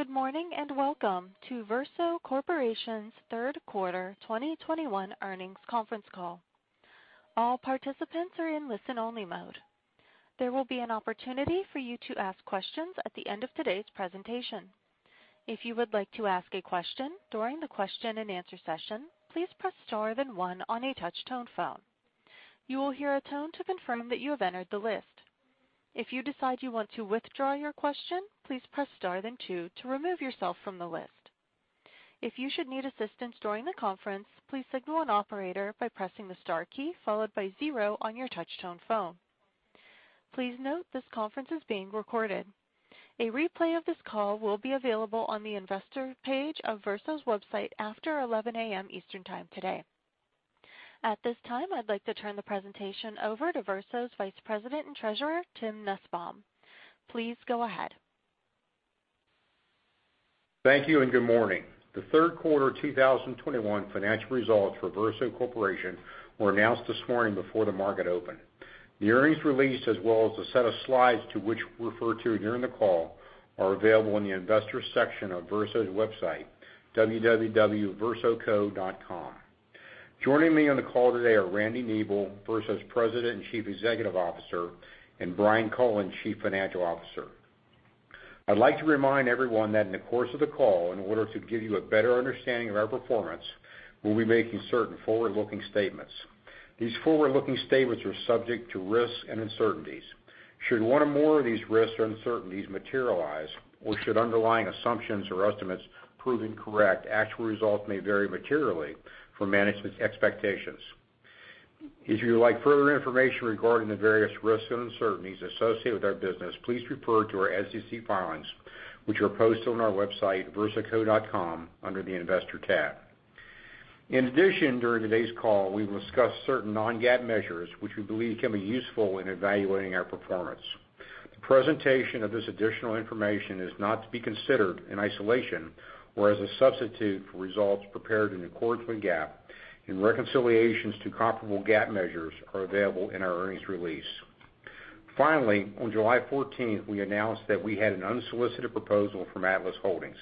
Good morning, and welcome to Verso Corporation's Q3 2021 earnings conference call. All participants are in listen-only mode. There will be an opportunity for you to ask questions at the end of today's presentation. If you would like to ask a question during the question-and-answer session, please press star then one on a touch-tone phone. You will hear a tone to confirm that you have entered the list. If you decide you want to withdraw your question, please press star then two to remove yourself from the list. If you should need assistance during the conference, please signal an operator by pressing the star key followed by zero on your touch-tone phone. Please note this conference is being recorded. A replay of this call will be available on the investor page of Verso's website after 11 A.M. Eastern Time today. At this time, I'd like to turn the presentation over to Verso's VP and Treasurer, Tim Nusbaum. Please go ahead. Thank you, and good morning. The Q3 2021 financial results for Verso Corporation were announced this morning before the market opened. The earnings release, as well as the set of slides to which we refer during the call, are available in the investor section of Verso's website, www.versoco.com. Joining me on the call today are Randy Nebel, Verso's President and CEO, and Brian Cullen, CFO. I'd like to remind everyone that in the course of the call, in order to give you a better understanding of our performance, we'll be making certain forward-looking statements. These forward-looking statements are subject to risks and uncertainties. Should one or more of these risks or uncertainties materialize or should underlying assumptions or estimates prove incorrect, actual results may vary materially from management's expectations. If you would like further information regarding the various risks and uncertainties associated with our business, please refer to our SEC filings, which are posted on our website, versoco.com, under the Investor tab. In addition, during today's call, we will discuss certain non-GAAP measures, which we believe can be useful in evaluating our performance. The presentation of this additional information is not to be considered in isolation or as a substitute for results prepared in accordance with GAAP, and reconciliations to comparable GAAP measures are available in our earnings release. Finally, on July 14th, we announced that we had an unsolicited proposal from Atlas Holdings.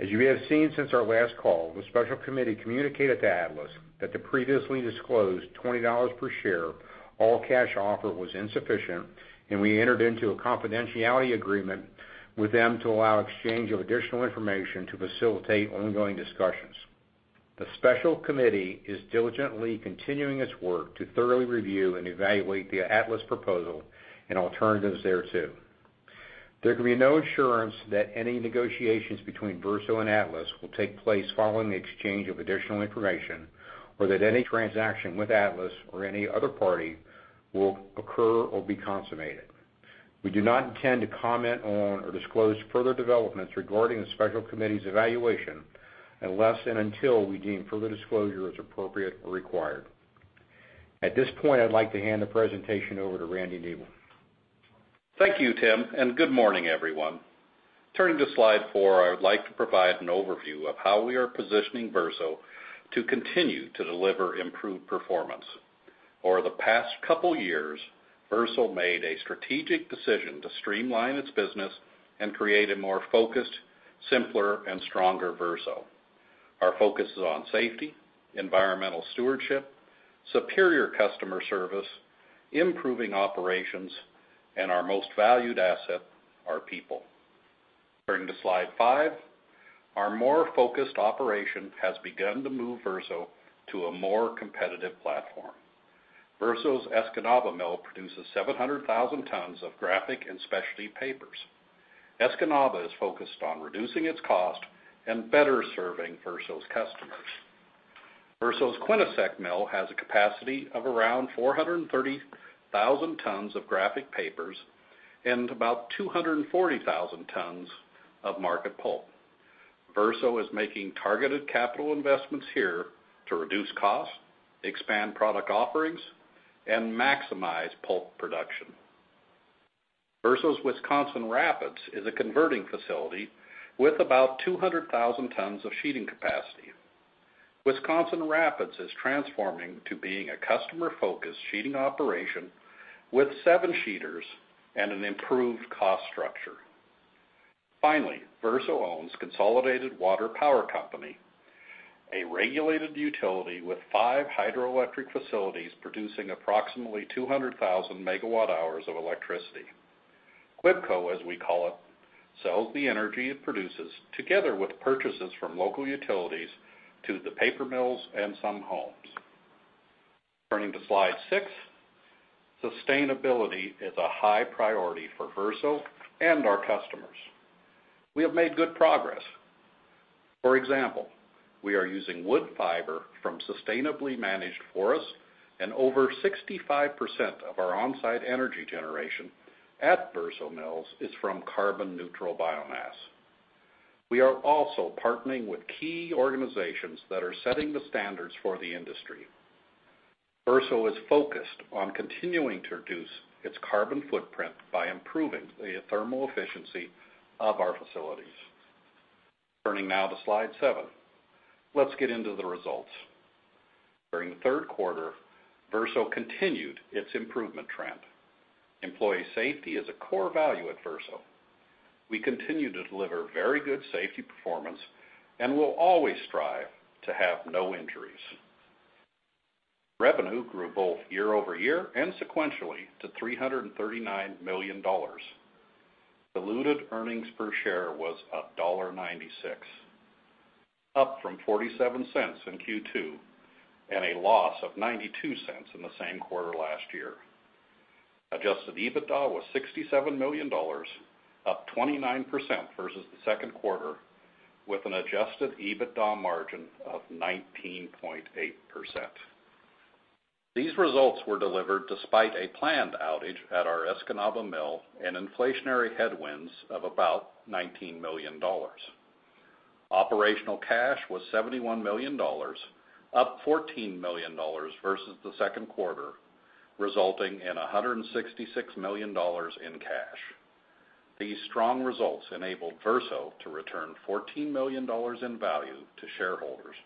As you have seen since our last call, the special committee communicated to Atlas that the previously disclosed $20 per share all-cash offer was insufficient, and we entered into a confidentiality agreement with them to allow exchange of additional information to facilitate ongoing discussions. The special committee is diligently continuing its work to thoroughly review and evaluate the Atlas proposal and alternatives there to. There can be no assurance that any negotiations between Verso and Atlas will take place following the exchange of additional information, or that any transaction with Atlas or any other party will occur or be consummated. We do not intend to comment on or disclose further developments regarding the special committee's evaluation unless and until we deem further disclosure as appropriate or required. At this point, I'd like to hand the presentation over to Randy Nebel. Thank you, Tim, and good morning, everyone. Turning to slide four, I would like to provide an overview of how we are positioning Verso to continue to deliver improved performance. Over the past couple years, Verso made a strategic decision to streamline its business and create a more focused, simpler, and stronger Verso. Our focus is on safety, environmental stewardship, superior customer service, improving operations, and our most valued asset, our people. Turning to slide five, our more focused operation has begun to move Verso to a more competitive platform. Verso's Escanaba mill produces 700,000 tons of graphic and specialty papers. Escanaba is focused on reducing its cost and better serving Verso's customers. Verso's Quinnesec mill has a capacity of around 430,000 tons of graphic papers and about 240,000 tons of market pulp. Verso is making targeted capital investments here to reduce costs, expand product offerings, and maximize pulp production. Verso's Wisconsin Rapids is a converting facility with about 200,000 tons of sheeting capacity. Wisconsin Rapids is transforming to being a customer-focused sheeting operation with seven sheeters and an improved cost structure. Finally, Verso owns Consolidated Water Power Company, a regulated utility with five hydroelectric facilities producing approximately 200,000 megawatt hours of electricity. CWPCo, as we call it, sells the energy it produces together with purchases from local utilities to the paper mills and some homes. Turning to slide six, sustainability is a high priority for Verso and our customers. We have made good progress. For example, we are using wood fiber from sustainably managed forests, and over 65% of our on-site energy generation at Verso Mills is from carbon-neutral biomass. We are also partnering with key organizations that are setting the standards for the industry. Verso is focused on continuing to reduce its carbon footprint by improving the thermal efficiency of our facilities. Turning now to slide seven. Let's get into the results. During the Q3, Verso continued its improvement trend. Employee safety is a core value at Verso. We continue to deliver very good safety performance, and we'll always strive to have no injuries. Revenue grew both year-over-year and sequentially to $339 million. Diluted earnings per share was $1.96, up from $0.47 in Q2, and a loss of $0.92 in the same quarter last year. Adjusted EBITDA was $67 million, up 29% versus the Q2, with an adjusted EBITDA margin of 19.8%. These results were delivered despite a planned outage at our Escanaba mill and inflationary headwinds of about $19 million. Operational cash was $71 million, up $14 million versus the Q2, resulting in $166 million in cash. These strong results enabled Verso to return $14 million in value to shareholders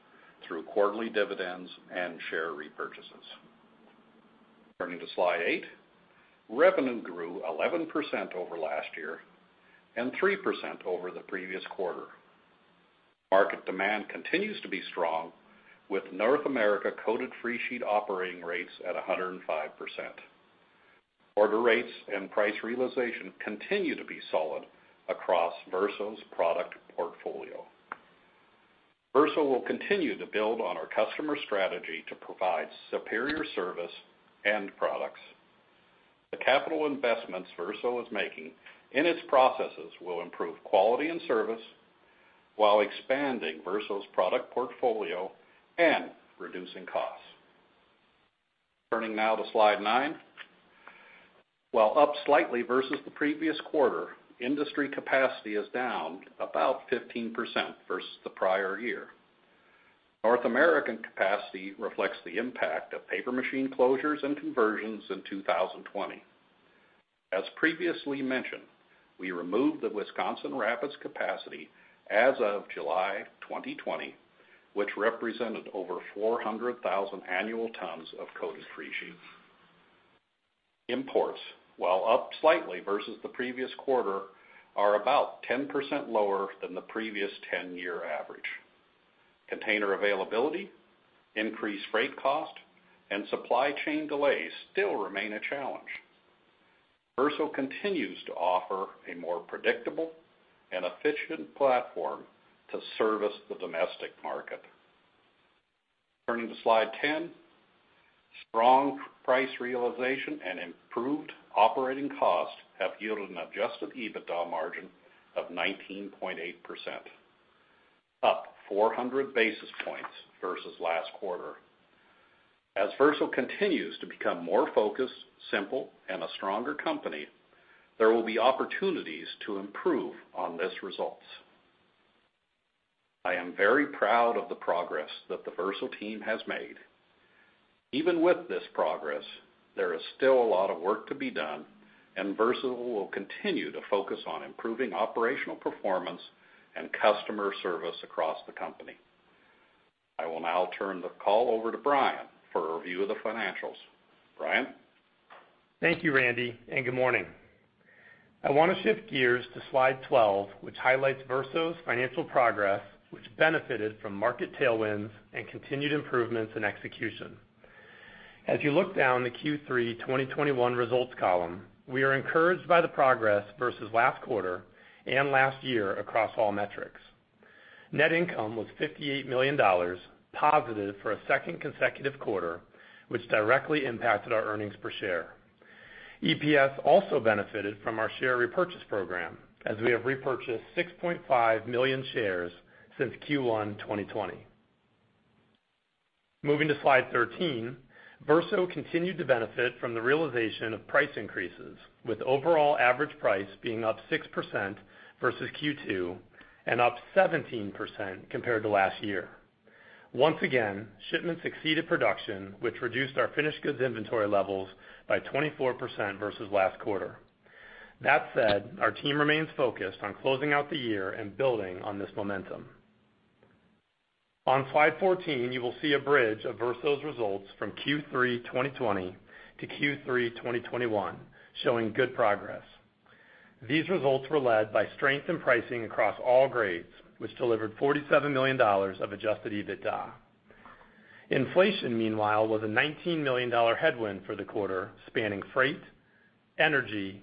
through quarterly dividends and share repurchases. Turning to slide eight. Revenue grew 11% over last year and three percent over the previous quarter. Market demand continues to be strong with North America coated freesheet operating rates at 105%. Order rates and price realization continue to be solid across Verso's product portfolio. Verso will continue to build on our customer strategy to provide superior service and products. The capital investments Verso is making in its processes will improve quality and service while expanding Verso's product portfolio and reducing costs. Turning now to slide nine. While up slightly versus the previous quarter, industry capacity is down about 15% versus the prior year. North American capacity reflects the impact of paper machine closures and conversions in 2020. As previously mentioned, we removed the Wisconsin Rapids capacity as of July 2020, which represented over 400,000 annual tons of coated freesheet. Imports, while up slightly versus the previous quarter, are about 10% lower than the previous 10-year average. Container availability, increased freight cost, and supply chain delays still remain a challenge. Verso continues to offer a more predictable and efficient platform to service the domestic market. Turning to slide 10. Strong price realization and improved operating costs have yielded an Adjusted EBITDA margin of 19.8%, up 400 basis points versus last quarter. As Verso continues to become more focused, simple, and a stronger company, there will be opportunities to improve on these results. I am very proud of the progress that the Verso team has made. Even with this progress, there is still a lot of work to be done, and Verso will continue to focus on improving operational performance and customer service across the company. I will now turn the call over to Brian for a review of the financials. Brian? Thank you, Randy, and good morning. I want to shift gears to slide 12, which highlights Verso's financial progress, which benefited from market tailwinds and continued improvements in execution. As you look down the Q3 2021 results column, we are encouraged by the progress versus last quarter and last year across all metrics. Net income was $58 million, positive for a second consecutive quarter, which directly impacted our earnings per share. EPS also benefited from our share repurchase program, as we have repurchased 6.5 million shares since Q1 2020. Moving to slide 13, Verso continued to benefit from the realization of price increases, with overall average price being up six percent versus Q2 and up 17% compared to last year. Once again, shipments exceeded production, which reduced our finished goods inventory levels by 24% versus last quarter. That said, our team remains focused on closing out the year and building on this momentum. On slide 14, you will see a bridge of Verso's results from Q3 2020 to Q3 2021, showing good progress. These results were led by strength in pricing across all grades, which delivered $47 million of adjusted EBITDA. Inflation, meanwhile, was a $19 million headwind for the quarter, spanning freight, energy,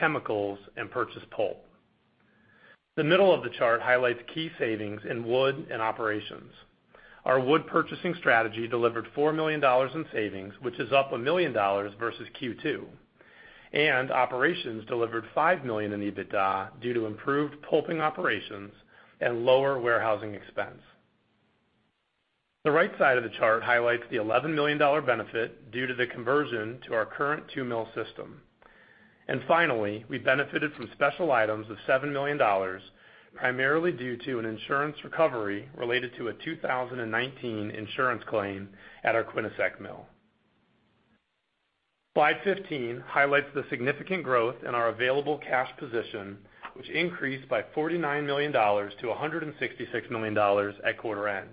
chemicals, and purchased pulp. The middle of the chart highlights key savings in wood and operations. Our wood purchasing strategy delivered $4 million in savings, which is up $1 million versus Q2, and operations delivered $5 million in EBITDA due to improved pulping operations and lower warehousing expense. The right side of the chart highlights the $11 million benefit due to the conversion to our current two-mill system. Finally, we benefited from special items of $7 million, primarily due to an insurance recovery related to a 2019 insurance claim at our Quinnesec mill. Slide 15 highlights the significant growth in our available cash position, which increased by $49 million to $166 million at quarter end.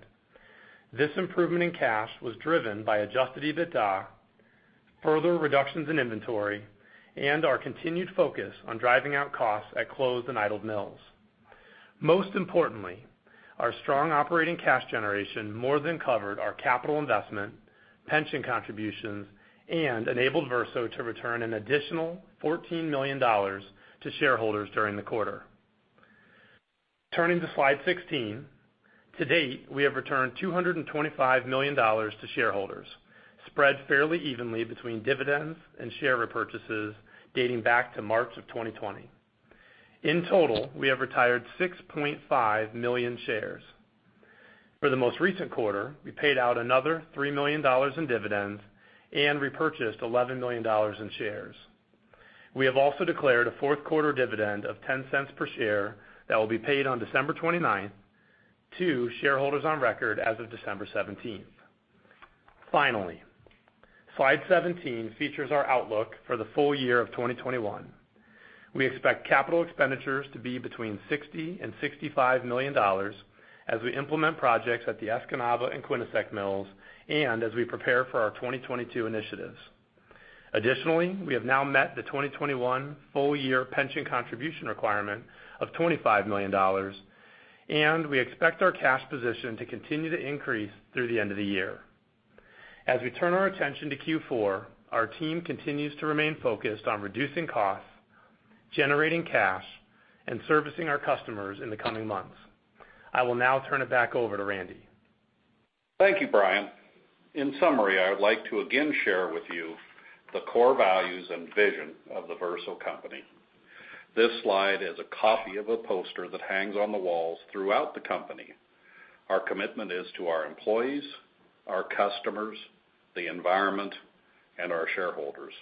This improvement in cash was driven by adjusted EBITDA, further reductions in inventory, and our continued focus on driving out costs at closed and idled mills. Most importantly, our strong operating cash generation more than covered our capital investment, pension contributions, and enabled Verso to return an additional $14 million to shareholders during the quarter. Turning to Slide 16. To date, we have returned $225 million to shareholders, spread fairly evenly between dividends and share repurchases dating back to March 2020. In total, we have retired 6.5 million shares. For the most recent quarter, we paid out another $3 million in dividends and repurchased $11 million in shares. We have also declared a Q4 dividend of $0.10 per share that will be paid on December 29th to shareholders on record as of December 17. Finally, slide 17 features our outlook for the full year of 2021. We expect capital expenditures to be between $60 million and $65 million as we implement projects at the Escanaba and Quinnesec mills and as we prepare for our 2022 initiatives. Additionally, we have now met the 2021 full year pension contribution requirement of $25 million, and we expect our cash position to continue to increase through the end of the year. As we turn our attention to Q4, our team continues to remain focused on reducing costs, generating cash, and servicing our customers in the coming months. I will now turn it back over to Randy. Thank you, Brian. In summary, I would like to again share with you the core values and vision of the Verso company. This slide is a copy of a poster that hangs on the walls throughout the company. Our commitment is to our employees, our customers, the environment, and our shareholders.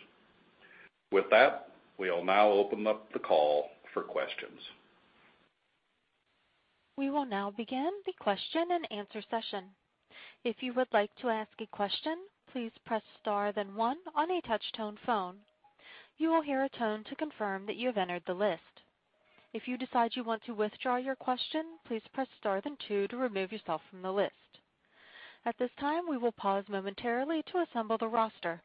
With that, we will now open up the call for questions. We will now begin the question and answer session. If you would like to ask a question, please press Star, then one on a touch-tone phone. You will hear a tone to confirm that you have entered the list. If you decide you want to withdraw your question, please press Star then two to remove yourself from the list. At this time, we will pause momentarily to assemble the roster.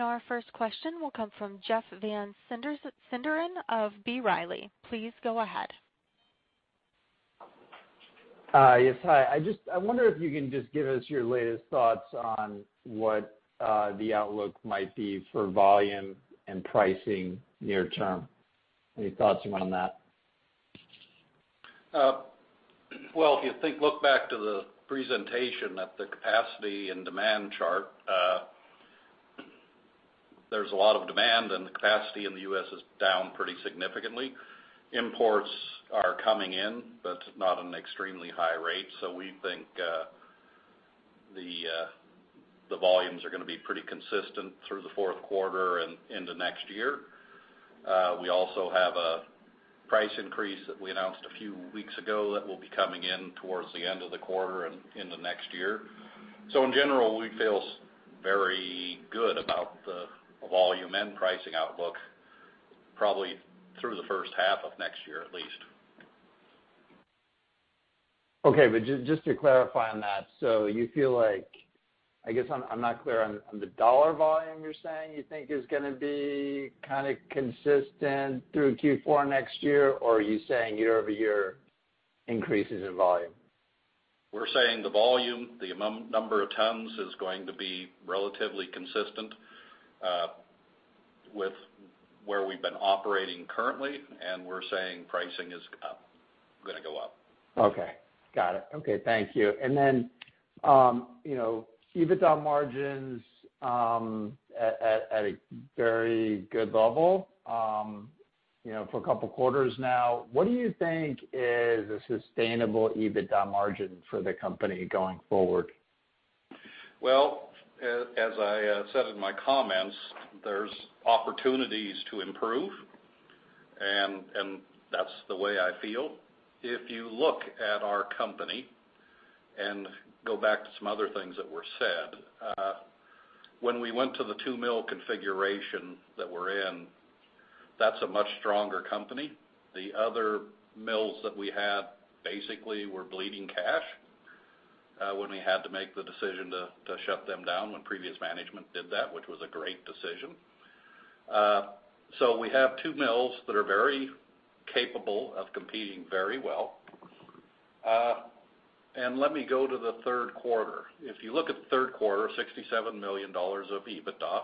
Our first question will come from Jeff Van Sinderen of B. Riley. Please go ahead. Yes. Hi. I wonder if you can just give us your latest thoughts on what the outlook might be for volume and pricing near term? Any thoughts on that? Well, if you look back to the presentation at the capacity and demand chart, there's a lot of demand, and the capacity in the U.S. is down pretty significantly. Imports are coming in, but not at an extremely high rate. We think the volumes are gonna be pretty consistent through the Q4 and into next year. We also have a price increase that we announced a few weeks ago that will be coming in towards the end of the quarter and into next year. In general, we feel very good about the volume and pricing outlook probably through the first half of next year, at least. Okay. Just to clarify on that. You feel like I guess I'm not clear on the dollar volume you're saying you think is gonna be kind of consistent through Q4 next year? Or are you saying year-over-year increases in volume? We're saying the volume, the number of tons is going to be relatively consistent with where we've been operating currently, and we're saying pricing is up, going to go up. Okay. Got it. Okay. Thank you. You know, EBITDA margins at a very good level, you know, for a couple quarters now. What do you think is a sustainable EBITDA margin for the company going forward? Well, as I said in my comments, there's opportunities to improve, and that's the way I feel. If you look at our company and go back to some other things that were said, when we went to the two mill configuration that we're in, that's a much stronger company. The other mills that we had basically were bleeding cash, when we had to make the decision to shut them down when previous management did that, which was a great decision. We have two mills that are very capable of competing very well. Let me go to the Q3. If you look at the Q3, $67 million of EBITDA.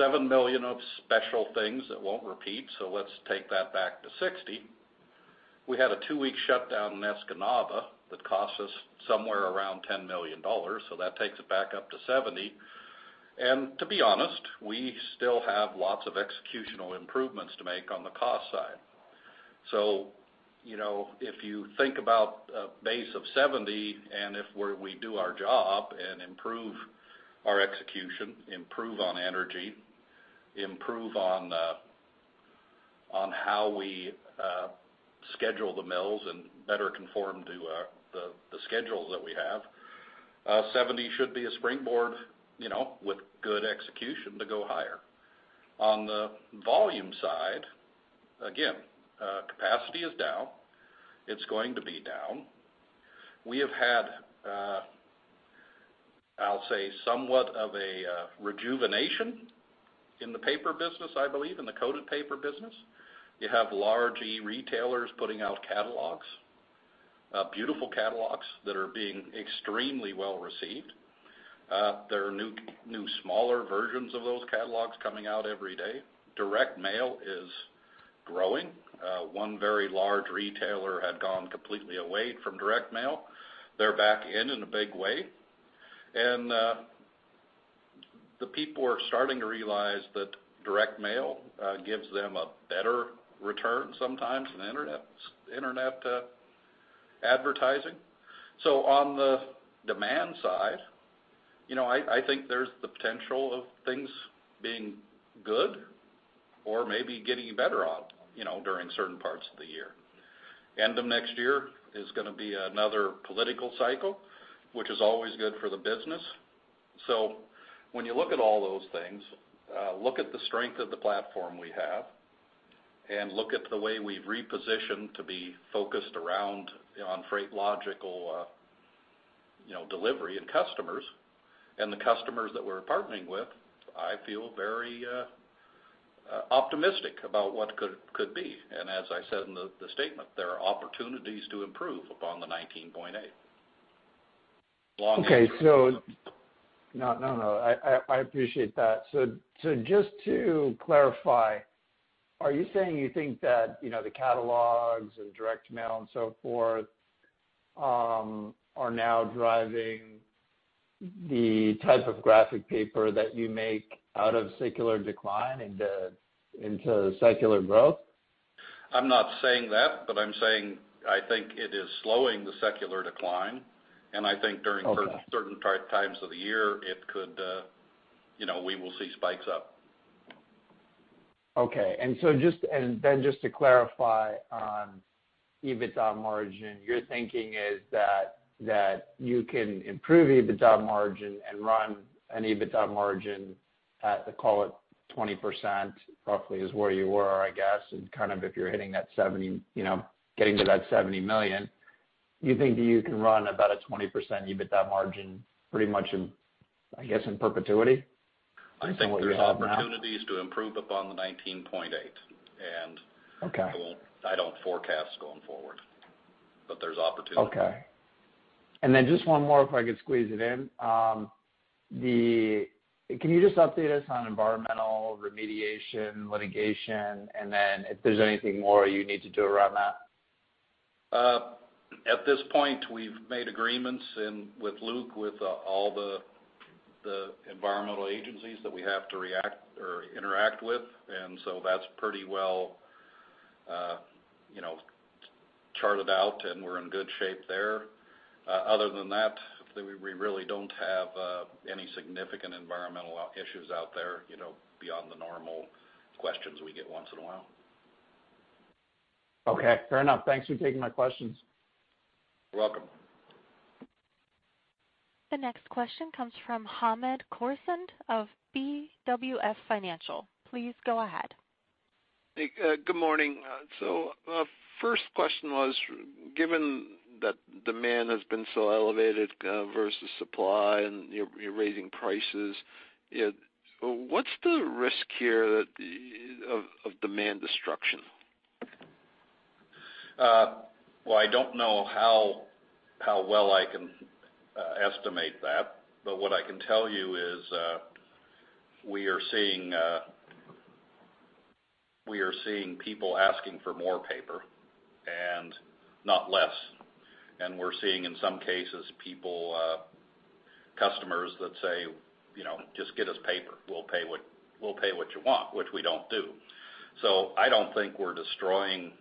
$7 million of special things that won't repeat, so let's take that back to $60 million. We had a two-week shutdown in Escanaba that cost us somewhere around $10 million, so that takes it back up to 70. To be honest, we still have lots of executional improvements to make on the cost side. You know, if you think about a base of 70, and we do our job and improve our execution, improve on energy, improve on how we schedule the mills and better conform to the schedules that we have, 70 should be a springboard, you know, with good execution to go higher. On the volume side, again, capacity is down. It's going to be down. We have had, I'll say somewhat of a rejuvenation in the paper business, I believe, in the coated paper business. You have large e-retailers putting out catalogs, beautiful catalogs that are being extremely well received. There are new smaller versions of those catalogs coming out every day. Direct mail is growing. One very large retailer had gone completely away from direct mail. They're back in a big way. The people are starting to realize that direct mail gives them a better return sometimes than internet advertising. On the demand side, you know, I think there's the potential of things being good or maybe getting better out, you know, during certain parts of the year. End of next year is gonna be another political cycle, which is always good for the business. When you look at all those things, look at the strength of the platform we have, and look at the way we've repositioned to be focused around on freight logistics, you know, delivery and customers, and the customers that we're partnering with, I feel very optimistic about what could be. As I said in the statement, there are opportunities to improve upon the 19.8%. Long- Okay. No, I appreciate that. Just to clarify, are you saying you think that, you know, the catalogs and direct mail and so forth are now driving the type of graphic paper that you make out of secular decline into secular growth? I'm not saying that, but I'm saying I think it is slowing the secular decline. I think during- Okay Certain times of the year, it could, you know, we will see spikes up. To clarify on EBITDA margin, your thinking is that you can improve EBITDA margin and run an EBITDA margin at, call it, 20%, roughly is where you were, I guess. Kind of if you're hitting that 70, you know, getting to that $70 million, you think you can run about a 20% EBITDA margin pretty much in, I guess, in perpetuity from where you are now? I think there's opportunities to improve upon the 19.8. Okay I don't forecast going forward, but there's opportunity. Okay. Just one more, if I could squeeze it in. Can you just update us on environmental remediation, litigation, and then if there's anything more you need to do around that? At this point, we've made agreements with Luke, with all the environmental agencies that we have to react or interact with. That's pretty well, you know, charted out, and we're in good shape there. Other than that, we really don't have any significant environmental issues out there, you know, beyond the normal questions we get once in a while. Okay, fair enough. Thanks for taking my questions. You're welcome. The next question comes from Hamed Khorsand of BWS Financial. Please go ahead. Hey, good morning. First question was, given that demand has been so elevated versus supply and you're raising prices, what's the risk here of demand destruction? Well, I don't know how well I can estimate that, but what I can tell you is, we are seeing people asking for more paper and not less. We're seeing, in some cases, people, customers that say, you know, "Just get us paper. We'll pay what you want," which we don't do. I don't think we're destroying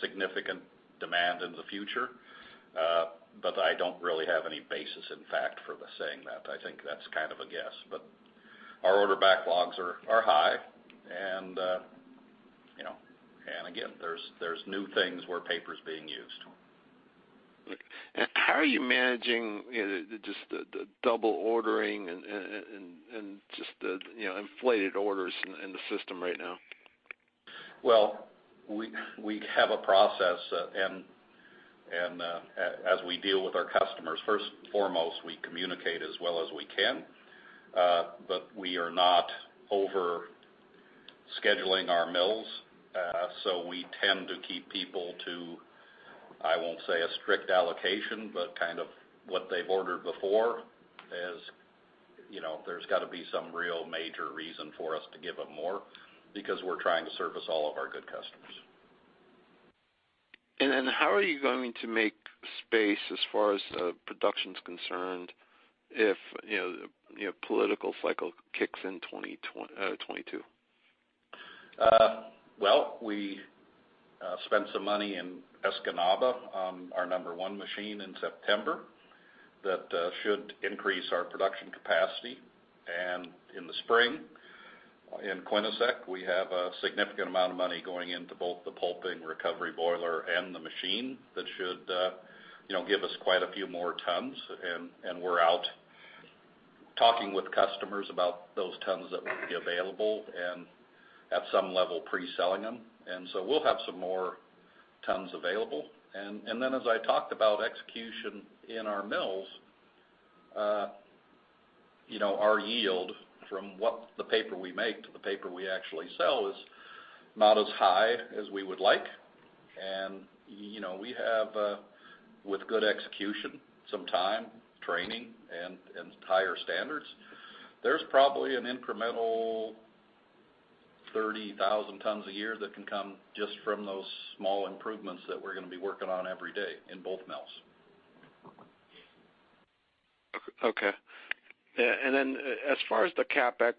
significant demand in the future, but I don't really have any basis, in fact, for saying that. I think that's kind of a guess. Our order backlogs are high and, you know, and again, there's new things where paper's being used. How are you managing, you know, just the double ordering and just the, you know, inflated orders in the system right now? Well, we have a process, and as we deal with our customers, first and foremost, we communicate as well as we can. We are not overscheduling our mills. We tend to keep people to, I won't say a strict allocation, but kind of what they've ordered before. As you know, there's gotta be some real major reason for us to give them more because we're trying to service all of our good customers. How are you going to make space as far as production's concerned if, you know, the political cycle kicks in 2022? Well, we spent some money in Escanaba on our number one machine in September that should increase our production capacity. In the spring, in Quinnesec, we have a significant amount of money going into both the pulping recovery boiler and the machine that should, you know, give us quite a few more tons, and we're out talking with customers about those tons that will be available and at some level pre-selling them. We'll have some more tons available. Then as I talked about execution in our mills, you know, our yield from what the paper we make to the paper we actually sell is not as high as we would like. You know, we have, with good execution, some time, training and higher standards, there's probably an incremental 30,000 tons a year that can come just from those small improvements that we're gonna be working on every day in both mills. Okay. As far as the CapEx,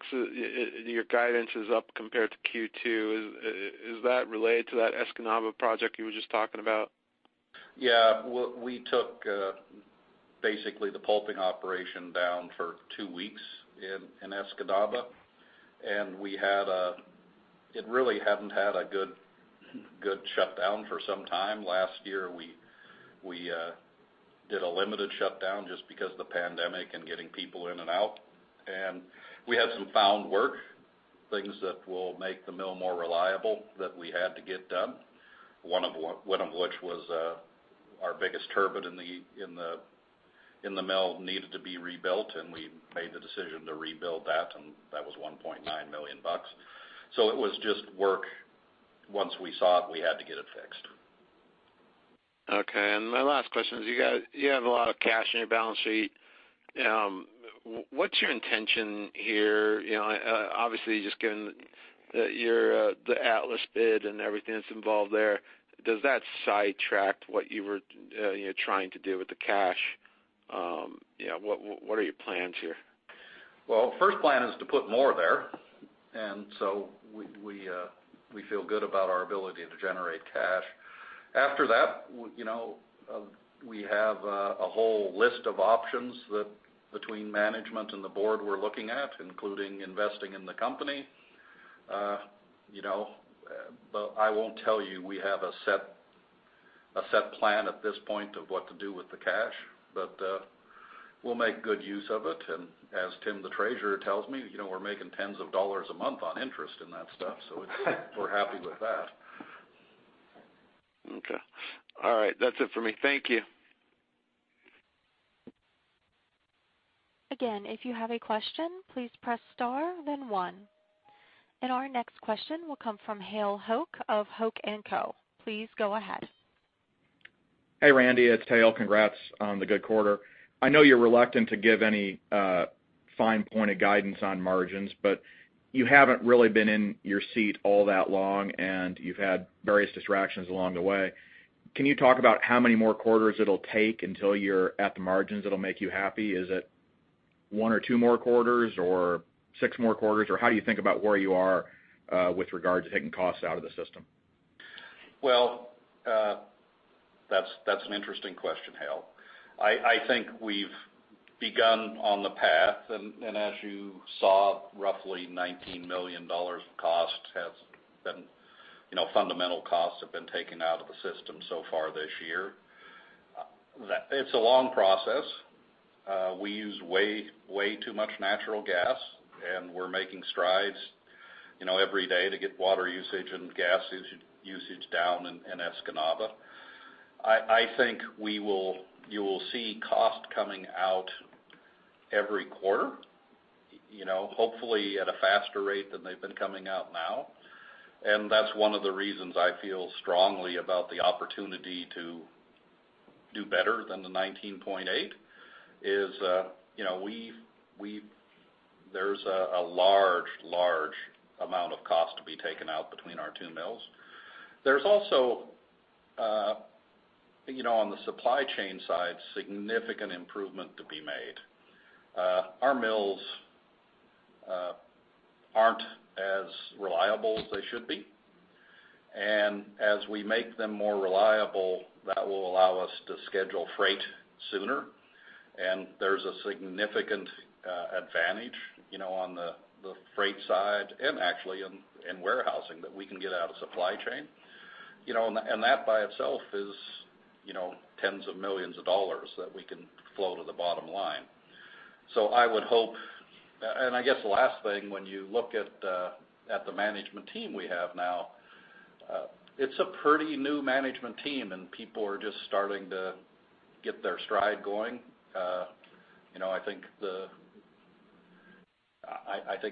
your guidance is up compared to Q2. Is that related to that Escanaba project you were just talking about? Yeah. Well, we took basically the pulping operation down for two weeks in Escanaba, and it really hadn't had a good shutdown for some time. Last year, we did a limited shutdown just because of the pandemic and getting people in and out. We had some found work, things that will make the mill more reliable that we had to get done, one of which was our biggest turbine in the mill needed to be rebuilt, and we made the decision to rebuild that, and that was $1.9 million. So it was just work. Once we saw it, we had to get it fixed. Okay. My last question is, you have a lot of cash in your balance sheet. What's your intention here? You know, obviously, just given that you're, the Atlas bid and everything that's involved there, does that sidetrack what you were, you know, trying to do with the cash? You know, what are your plans here? Well, first plan is to put more there. We feel good about our ability to generate cash. After that, you know, we have a whole list of options that between management and the board we're looking at, including investing in the company. You know, but I won't tell you we have a set plan at this point of what to do with the cash, but we'll make good use of it. As Tim, the Treasurer, tells me, you know, we're making tens of dollars a month on interest in that stuff, so we're happy with that. Okay. All right. That's it for me. Thank you. Again, if you have a question, please press star then one. Our next question will come from Hal Hoech of Hoak & Co. Please go ahead. Hey, Randy. It's Hal. Congrats on the good quarter. I know you're reluctant to give any fine point of guidance on margins, but you haven't really been in your seat all that long, and you've had various distractions along the way. Can you talk about how many more quarters it'll take until you're at the margins that'll make you happy? Is it one or two more quarters or six more quarters, or how do you think about where you are with regard to taking costs out of the system? Well, that's an interesting question, Hal. I think we've begun on the path, and as you saw, roughly $19 million of fundamental costs have been taken out of the system so far this year. It's a long process. We use way too much natural gas, and we're making strides, you know, every day to get water usage and gas usage down in Escanaba. I think you will see cost coming out every quarter, you know, hopefully at a faster rate than they've been coming out now. That's one of the reasons I feel strongly about the opportunity to do better than the $19.8 million is, you know. There's a large amount of cost to be taken out between our two mills. There's also, you know, on the supply chain side, significant improvement to be made. Our mills aren't as reliable as they should be. As we make them more reliable, that will allow us to schedule freight sooner. There's a significant advantage, you know, on the freight side and actually in warehousing that we can get out of supply chain. You know, and that by itself is, you know, tens of millions of dollars that we can flow to the bottom line. So I would hope. I guess the last thing when you look at the management team we have now, it's a pretty new management team, and people are just starting to get their stride going. You know, I think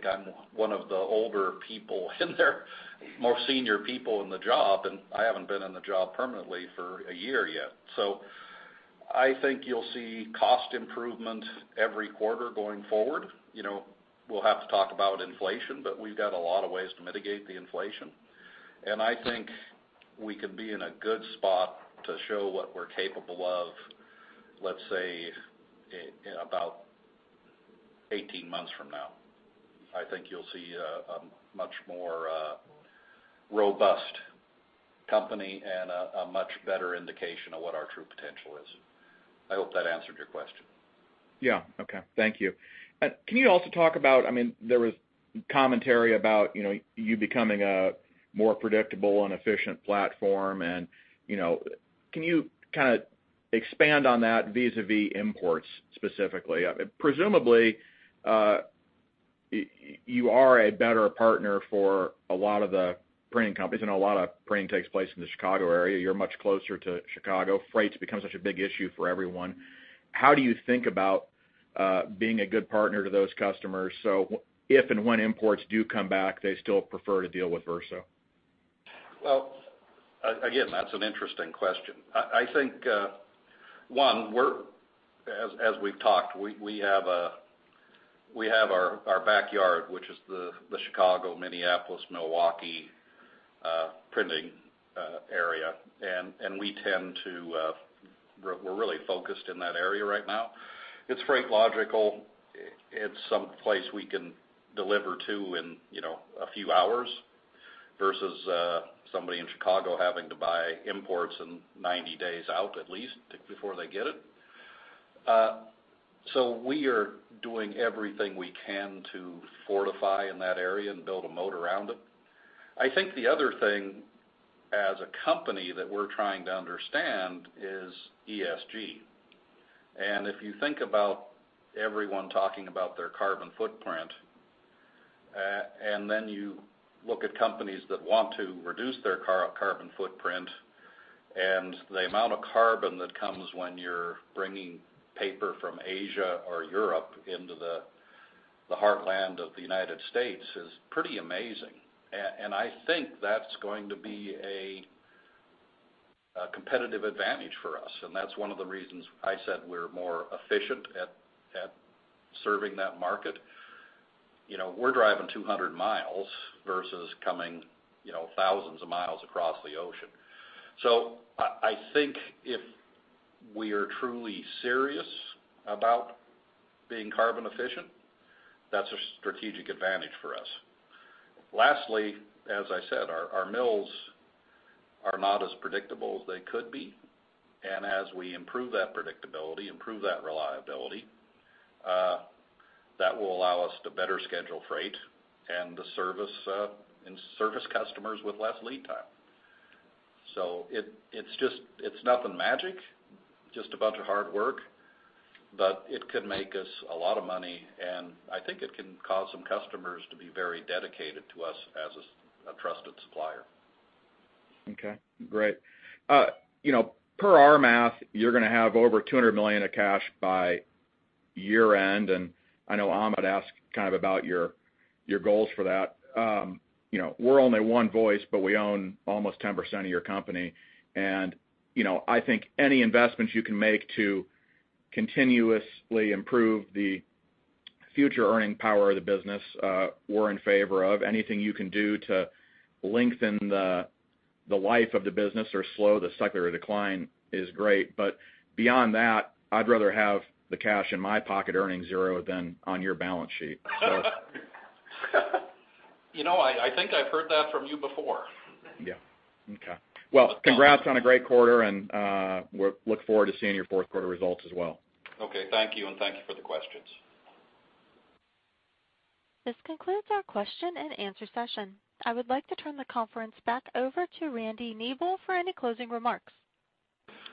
I'm one of the older people in there, more senior people in the job, and I haven't been in the job permanently for a year yet. I think you'll see cost improvement every quarter going forward. You know, we'll have to talk about inflation, but we've got a lot of ways to mitigate the inflation. I think we could be in a good spot to show what we're capable of, let's say, in about 18 months from now. I think you'll see a much more robust company and a much better indication of what our true potential is. I hope that answered your question. Yeah. Okay. Thank you. Can you also talk about, I mean, there was commentary about, you know, you becoming a more predictable and efficient platform and, you know. Can you kind of expand on that vis-à-vis imports specifically? Presumably, you are a better partner for a lot of the printing companies, and a lot of printing takes place in the Chicago area. You're much closer to Chicago. Freight's become such a big issue for everyone. How do you think about being a good partner to those customers, so if and when imports do come back, they still prefer to deal with Verso? Well, again, that's an interesting question. I think, as we've talked, we have our backyard, which is the Chicago, Minneapolis, Milwaukee printing area. We tend to, we're really focused in that area right now. It's freight logical. It's someplace we can deliver to in, you know, a few hours versus somebody in Chicago having to buy imports and 90 days out at least before they get it. We are doing everything we can to fortify in that area and build a moat around it. I think the other thing as a company that we're trying to understand is ESG. If you think about everyone talking about their carbon footprint, and then you look at companies that want to reduce their carbon footprint, and the amount of carbon that comes when you're bringing paper from Asia or Europe into the heartland of the United States is pretty amazing. I think that's going to be a competitive advantage for us, and that's one of the reasons I said we're more efficient at serving that market. You know, we're driving 200 miles versus coming, you know, thousands of miles across the ocean. I think if we are truly serious about being carbon efficient, that's a strategic advantage for us. Lastly, as I said, our mills are not as predictable as they could be. As we improve that predictability, improve that reliability, that will allow us to better schedule freight and to service and service customers with less lead time. It's just nothing magic, just a bunch of hard work, but it could make us a lot of money, and I think it can cause some customers to be very dedicated to us as a trusted supplier. Okay. Great. You know, per our math, you're gonna have over $200 million of cash by year-end, and I know Hamed asked kind of about your goals for that. You know, we're only one voice, but we own almost 10% of your company. You know, I think any investments you can make to continuously improve the future earning power of the business, we're in favor of. Anything you can do to lengthen the life of the business or slow the secular decline is great. Beyond that, I'd rather have the cash in my pocket earning zero than on your balance sheet. You know, I think I've heard that from you before. Yeah. Okay. Well, congrats on a great quarter, and we're looking forward to seeing your Q4 results as well. Okay. Thank you, and thank you for the questions. This concludes our question and answer session. I would like to turn the conference back over to Randy Nebel for any closing remarks.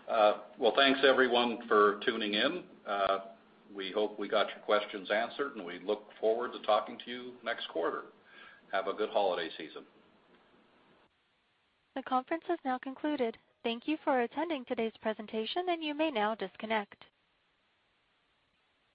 Well, thanks everyone for tuning in. We hope we got your questions answered, and we look forward to talking to you next quarter. Have a good holiday season. The conference has now concluded. Thank you for attending today's presentation, and you may now disconnect.